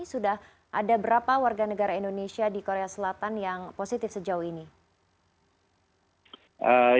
sudah ada berapa warga negara indonesia di korea selatan yang positif sejauh ini